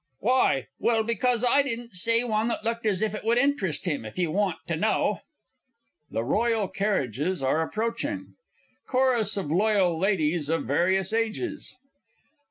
Why? Well, because I didn't see one who looked as if it would interest him, if you want to know. THE ROYAL CARRIAGES ARE APPROACHING. CHORUS OF LOYAL LADIES OF VARIOUS AGES.